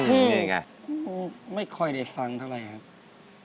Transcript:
อืมไม่ค่อยได้ฟังเท่าไรครับ